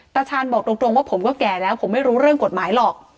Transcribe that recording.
ตาชาญบอกตรงว่าผมก็แก่แล้วผมไม่รู้เรื่องกฎหมายหรอก